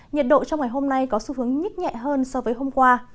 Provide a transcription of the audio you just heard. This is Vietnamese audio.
nhiệt độ trong ngày hôm nay có xu hướng nhích nhẹ hơn so với hôm qua